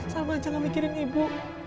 salma jangan mikirin ibu